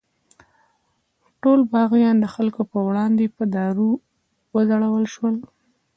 ټول باغیان د خلکو په وړاندې په دار وځړول شول.